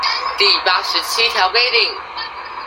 第八十七條規定